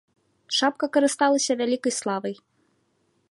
Шапка карысталася вялікай славай.